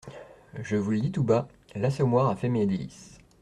Je vous le dis tout bas : l'Assommoir a fait mes délices.